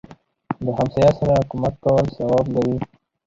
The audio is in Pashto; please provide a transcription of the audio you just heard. دهمسایه سره کومک کول ثواب لري